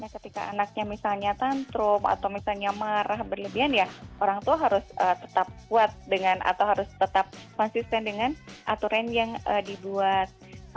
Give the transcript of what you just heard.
ketika anaknya misalnya tantrum atau misalnya marah berlebihan ya orang tua harus tetap kuat dengan atau harus tetap konsisten dengan aturan yang dibuat